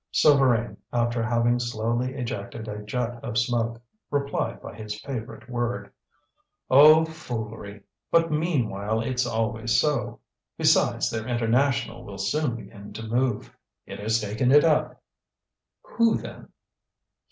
Souvarine, after having slowly ejected a jet of smoke, replied by his favourite word: "Oh, foolery! but meanwhile it's always so. Besides, their International will soon begin to move. He has taken it up." "Who, then?"